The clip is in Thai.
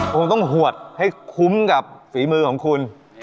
คงต้องหวดให้คุ้มกับฝีมือของคุณ